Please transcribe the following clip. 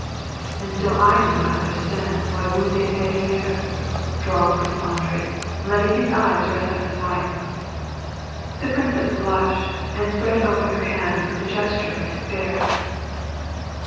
"And still I do not understand why votis avez peur,^ drawled Prince Andrei, letting his eyes rest on his wife. The princess blushed and spread open her hscnds with a gesture of despair.